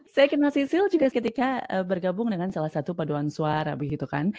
saya kenal sisil juga ketika bergabung dengan salah satu paduan suara